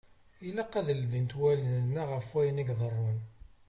Ilaq ad llint wallen-nneɣ ɣef ayen i d-iḍeṛṛun.